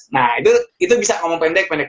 nah itu bisa ngomong pendek pendek